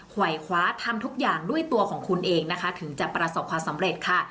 ไหวคว้าทำทุกอย่างด้วยตัวของคุณเองนะคะถึงจะประสบความสำเร็จค่ะ